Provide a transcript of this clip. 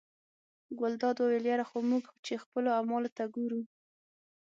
ګلداد وویل یره خو موږ چې خپلو اعمالو ته ګورو.